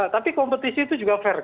tapi kompetisi itu juga fair